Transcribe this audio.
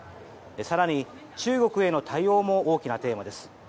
更に、中国への対応も大きなテーマです。